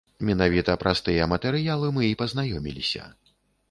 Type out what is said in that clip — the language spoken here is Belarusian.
Менавіта праз тыя матэрыялы мы і пазнаёміліся.